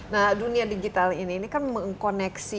nah dunia digital ini kan mengkoneksi